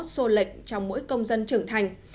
xô lệch trong mỗi công dân trưởng thành